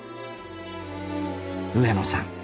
上野さん